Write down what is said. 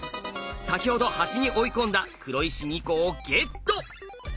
先ほど端に追い込んだ黒石２個をゲット！